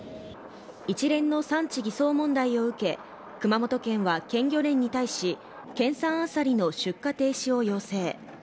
一連の産地偽装問題を受け、熊本県は県漁連に対し、県産アサリの出荷停止を要請。